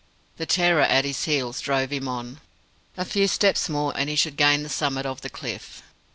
The terror at his heels drove him on. A few steps more, and he should gain the summit of the cliff.